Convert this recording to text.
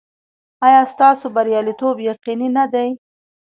ایا ستاسو بریالیتوب یقیني نه دی؟